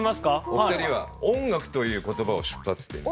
お二人は「音楽」という言葉を出発点に。